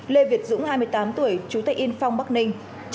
lê việt dũng hai mươi tám tuổi chú thạch yên phong bắc ninh